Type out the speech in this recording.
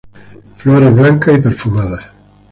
Flores blancas y perfumadas.